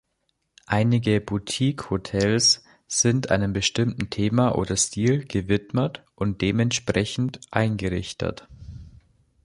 Einige Boutique-Hotels sind einem bestimmten Thema oder Stil gewidmet und dementsprechend eingerichtet.